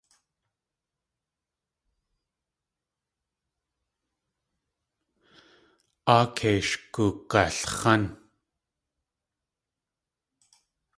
Áa kei sh gug̲alx̲án.